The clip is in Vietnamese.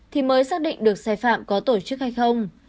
thì mới xác định được sai phạm có tổ chức hay không